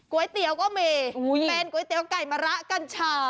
ก๋วยเตี๋ยวก็มีเป็นก๋วยเตี๋ยวไก่มะระกัญชา